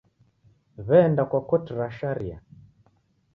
W'eenda kwa koti ra sharia.